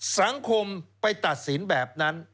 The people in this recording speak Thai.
สังคมไปตัดสินแบบนั้น